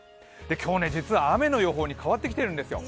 今日実は雨の予報に変わってきているんですよ。